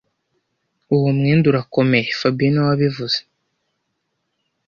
Uwo mwenda urakomeye fabien niwe wabivuze